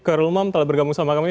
gerul mom telah bergabung sama kami